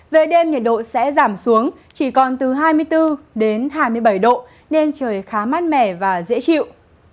về đêm nhiệt độ sẽ giảm xuống chỉ còn từ hai mươi bốn đến hai mươi bảy độ nên trời khá mát mẻ và dễ chịu